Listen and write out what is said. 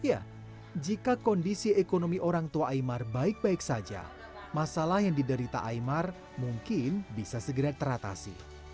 ya jika kondisi ekonomi orang tua aymar baik baik saja masalah yang diderita aymar mungkin bisa segera teratasi